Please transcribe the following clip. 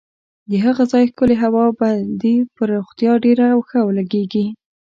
د هغه ځای ښکلې هوا به دې پر روغتیا ډېره ښه ولګېږي.